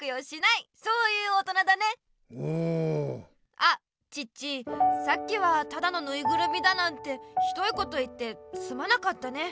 あチッチさっきはただのぬいぐるみだなんてひどいこと言ってすまなかったね。